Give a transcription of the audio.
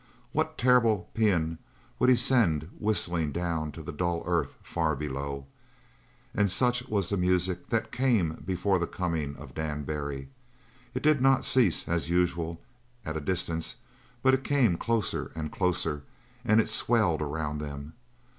What terrible pean would he send whistling down to the dull earth far below? And such was the music that came before the coming of Dan Barry. It did not cease, as usual, at a distance, but it came closer and closer, and it swelled around them.